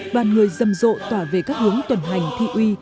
bàn người dâm rộ tỏa về các hướng tuần hành thi uy